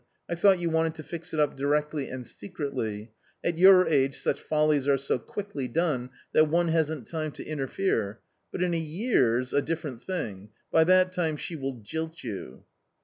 I thought you wanteaTo Ilx n up* directly* and^gecfeHyT At your age such follies are so quickly done that one hasn't time to interfere; but in a year's a different thing ; by that time she w ill jilt yo u."